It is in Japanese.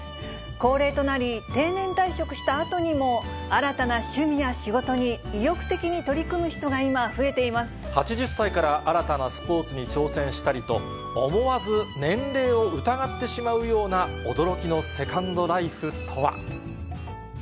高齢となり、定年退職したあとにも、新たな趣味や仕事に、意欲的８０歳から新たなスポーツに挑戦したりと、思わず年齢を疑ってしまうような驚きのセカンドライフとは。